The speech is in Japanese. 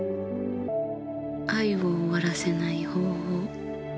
愛を終わらせない方法。